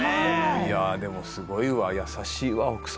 いやでもすごいわ優しいわ奥様。